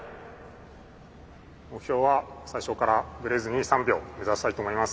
目標は最初からぶれずに３秒を目指したいと思います。